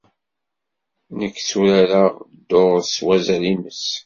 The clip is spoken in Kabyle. Nekk tturareɣ dduṛ s wazal-nnes.